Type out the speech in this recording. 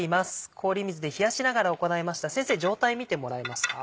氷水で冷やしながら行いました先生状態見てもらえますか？